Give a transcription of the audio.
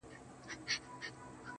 وه كلي ته زموږ راځي مـلـنگه ككـرۍ.